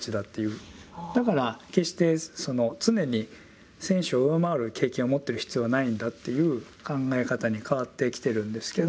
だから決してその常に選手を上回る経験を持ってる必要はないんだという考え方に変わってきてるんですけど。